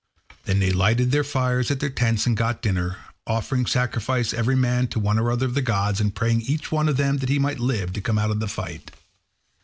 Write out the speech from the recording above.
There they lighted their fires at their tents and got dinner, offering sacrifice every man to one or other of the gods, and praying each one of them that he might live to come out of the fight.